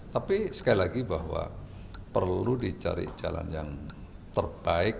tapi sekali lagi bahwa perlu dicari jalan yang terbaik